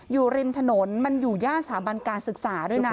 อยู่ริมถนนมันอยู่ย่านสถาบันการศึกษาด้วยนะ